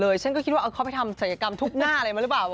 เดี๋ยวฉันก็คิดว่าเอาเข้าไปทำศักยกรรมทุกหน้าอะไรมั้ยหรือเปล่า